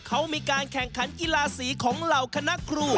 เขามีการแข่งขันกีฬาสีของเหล่าคณะครู